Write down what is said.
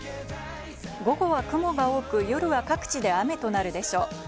午後は雲が多く夜は各地で雨となるでしょう。